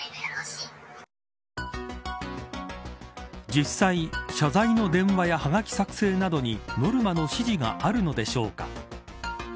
実際、謝罪の電話やはがき作成などにノルマの指示があるのでしょうか。